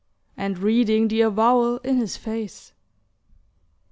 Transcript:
and reading the avowal in his face.